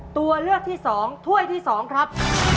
ตัวเลือกที่สองถ้วยที่สองครับ